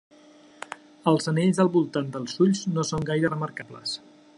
Els anells del voltant dels ulls no són gaire remarcables.